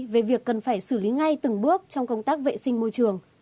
về việc cần phải xử lý ngay từng bước trong công tác vệ sinh môi trường